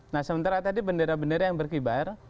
nah sementara tadi bendera bendera yang berkibar